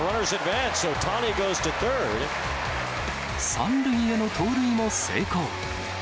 ３塁への盗塁も成功。